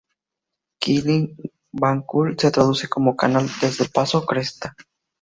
Kill Van Kull se traduce como "canal desde el paso" o "cresta".